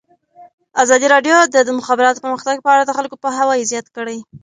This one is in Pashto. ازادي راډیو د د مخابراتو پرمختګ په اړه د خلکو پوهاوی زیات کړی.